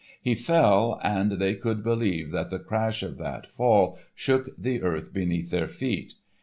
He fell, and they could believe that the crash of that fall shook the earth beneath their feet.